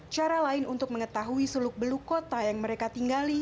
cara lain untuk mengetahui seluk beluk kota yang mereka tinggali